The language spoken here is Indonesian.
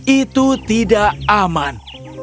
itu tidak aman